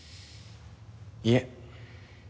いえ。